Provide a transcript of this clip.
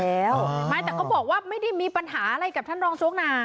ไม่แต่เขาบอกว่าไม่ได้มีปัญหาอะไรกับท่านรองโจ๊กนา